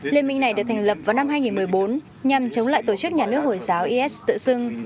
liên minh này được thành lập vào năm hai nghìn một mươi bốn nhằm chống lại tổ chức nhà nước hồi giáo is tự xưng